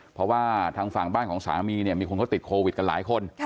เพราะว่าทางฝั่งบ้านของสามีเนี่ยมีคนเขาติดโควิดกันหลายคน